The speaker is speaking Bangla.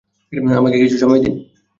আমাকে কিছু সময় দিন।